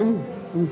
うん。